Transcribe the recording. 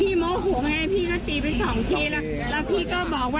พี่ก็บอกว่าพี่ออกบ้านนะก็ไม่ออก